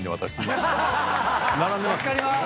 助かります！